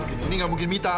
ini gak mungkin mita